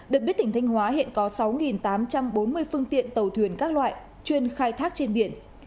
được biết tỉnh thanh hóa hiện có sáu tám trăm bốn mươi phương tiện tàu thuyền các loại chuyên khai thác trên biển